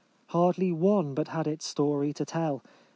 Hardly one but had its story to tell.